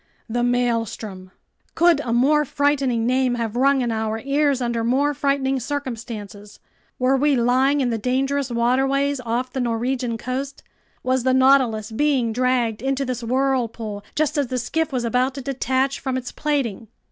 The Maelstrom! Could a more frightening name have rung in our ears under more frightening circumstances? Were we lying in the dangerous waterways off the Norwegian coast? Was the Nautilus being dragged into this whirlpool just as the skiff was about to detach from its plating?